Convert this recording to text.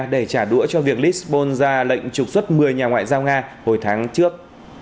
để trả đũa cho việc lisbon ra lệnh trục xuất một mươi nhà ngoại giao nga hồi tháng trước